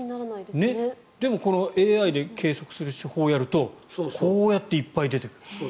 でもＡＩで計測する手法をやるとこうやって、いっぱい出てくる。